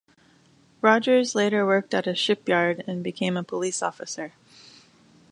Rogers later worked at a shipyard, and became a police officer.